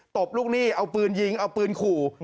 ตบลูกหนี้เอาปืนยิงเอาปืนขู่